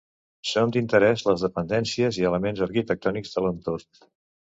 Són d'interès les dependències i elements arquitectònics de l'entorn.